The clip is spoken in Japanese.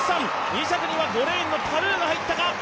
２着には５レーンのタルーが入ったか。